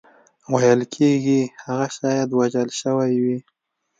ویل کېږي هغه شاید وژل شوی وي.